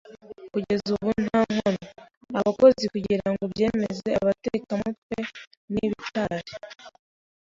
Kugeza ubu nta nkomyi. Abakozi, kugirango ubyemeze - abatekamutwe nibitari -